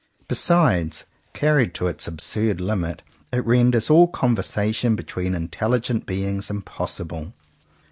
Besides, carried to its absurd limit, it renders all conversation between intelligent beings impossible.